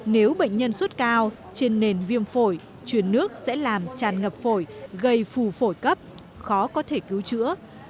nếu bệnh nhân suốt cao trên nền viêm phổi chuyển nước sẽ làm tràn ngập phổi gây phù phổi cấp khó có thể cứu chữa